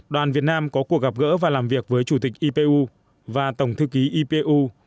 đoàn việt nam có cuộc gặp gỡ và làm việc với chủ tịch ipu và tổng thư ký ipu